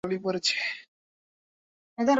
ভয়ানক ব্যস্ত মানুষ, সময়ের সবসময়েই অভাব।